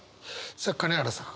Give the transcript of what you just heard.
さあ金原さん。